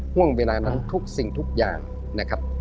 ห่วงเวลานั้นทุกสิ่งทุกอย่างนะครับ